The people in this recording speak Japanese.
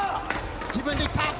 自分でいった。